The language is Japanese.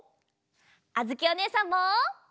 あづきおねえさんも。